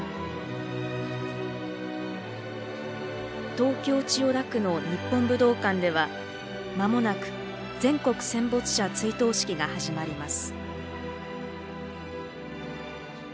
東京・千代田区の日本武道館ではまもなく全国戦没者追悼式が始まります。